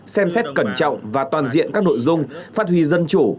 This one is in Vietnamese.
xem xét cẩn trọng và toàn diện các nội dung phát huy dân chủ